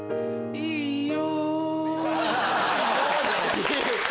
「いいよ」。